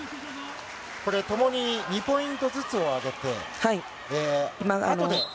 共に２ポイントずつを挙げて。